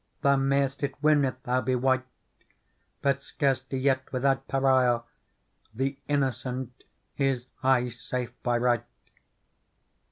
Thou may'st it win if thou be wight. But scarcely yet without perile :* The innocent is aye safe by right.